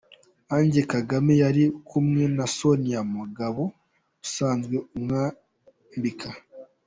Ange Kagame yari kumwe na Sonia Mugabo usanzwe umwambika.